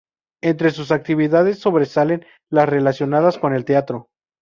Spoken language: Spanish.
Entre sus actividades, sobresalen las relacionadas con el teatro.